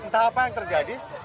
entah apa yang terjadi